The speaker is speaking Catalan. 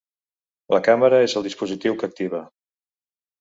La càmera és el dispositiu que activa.